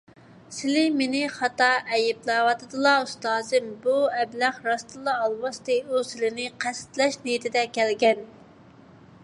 سىلى مېنى خاتا ئەيىبلەۋاتىدىلا، ئۇستازىم، بۇ ئەبلەخ راستتىنلا ئالۋاستى، ئۇ سىلىنى قەستلەش نىيىتىدە كەلگەن.